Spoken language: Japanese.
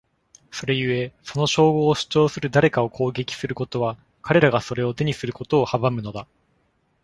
それゆえ、その称号を主張する誰かを攻撃することは彼らがそれを手にすることを阻むのだ。